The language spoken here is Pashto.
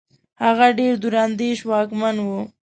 هغه ډېر دور اندېش واکمن وو.